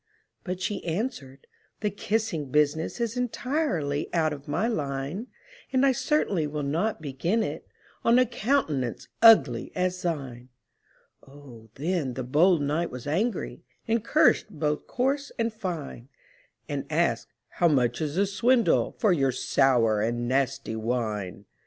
But she answered, "The kissing business Is entirely out of my line; And I certainly will not begin it On a countenance ugly as thine!" Oh, then the bold knight was angry, And cursed both coarse and fine; And asked, "How much is the swindle For your sour and nasty wine?"